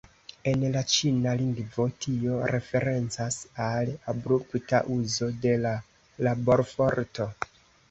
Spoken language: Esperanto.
En la Ĉina lingvo, tio referencas al abrupta uzo de la laborforto.